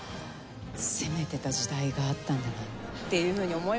攻めてた時代があったんだなっていうふうに思いました。